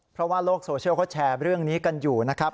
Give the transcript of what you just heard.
เพราะว่าโลกโซเชียลเขาแชร์เรื่องนี้กันอยู่นะครับ